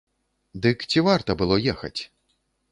Дык ці варта было ехаць?